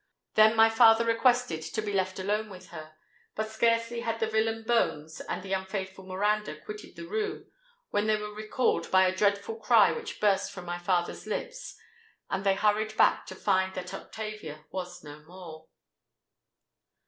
Then my father requested to be left alone with her; but scarcely had the villain Bones and the faithful Miranda quitted the room, when they were recalled by a dreadful cry which burst from my father's lips;—and they hurried back to find that Octavia was no more."